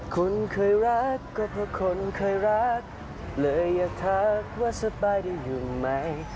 คนเคยรักก็เพราะคนเคยรักเลยอยากทักว่าสบายได้อยู่ไหม